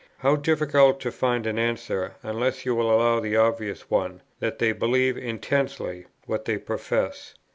How difficult to find an answer, unless you will allow the obvious one, that they believe intensely what they profess!